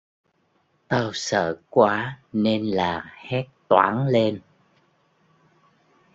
Tao sợ quá nên là hét toáng lên